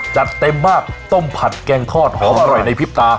จัดเต็มมากต้มผัดแกงทอดหอมอร่อยในพริบตา